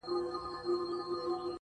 پر خپل اوښ به دې بار سپک سي ښه به ځغلي!.